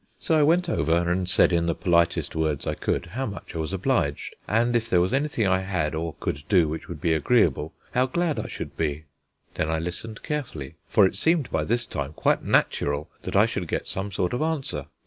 So I went over and said in the politest words I could how much I was obliged, and if there was anything I had or could do which would be agreeable, how glad I should be. Then I listened carefully, for it seemed by this time quite natural that I should get some sort of answer.